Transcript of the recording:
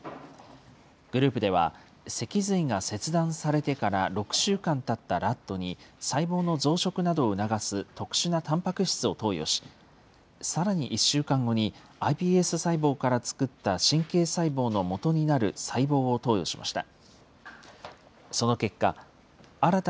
グループでは、脊髄が切断されてから６週間たったラットに、細胞の増殖などを促す特殊なたんぱく質を投与し、さらに１週間後に、ｉＰＳ細胞から作った神経細胞のもとになる細胞を投与しました。